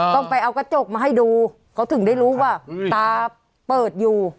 ต้องไปเอากระจกมาให้ดูเขาถึงได้รู้ว่าตาเปิดอยู่